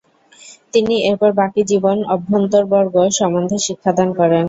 তিনি এরপর বাকি জীবন অভ্যন্তরবর্গ সম্বন্ধে শিক্ষাদান করেন।